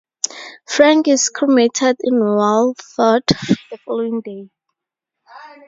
Frank is cremated in Walford the following day.